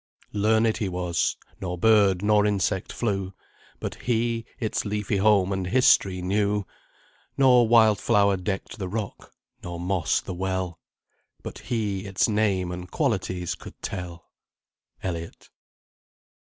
Learned he was; nor bird, nor insect flew, But he its leafy home and history knew; Nor wild flower decked the rock, nor moss the well, But he its name and qualities could tell. ELLIOTT.